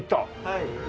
はい。